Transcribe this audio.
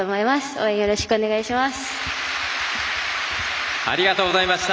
応援よろしくお願いします。